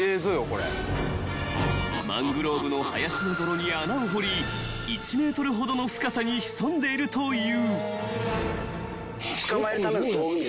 ［マングローブの林の泥に穴を掘り１ｍほどの深さに潜んでいるという］